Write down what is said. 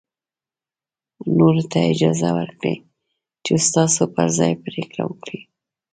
نورو ته اجازه ورکړئ چې ستاسو پر ځای پرېکړه وکړي.